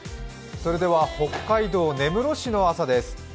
それでは北海道根室市の朝です。